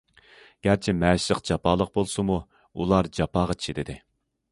گەرچە مەشىق جاپالىق بولسىمۇ، ئۇلار جاپاغا چىدىدى.